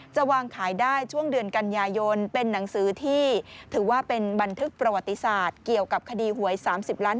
จะวางขายได้ช่วงเดือนกันยายน